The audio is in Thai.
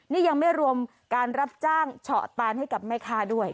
นี่ยังไม่รวมการรับจ้างเฉาะตานให้กับแม่ค้าด้วย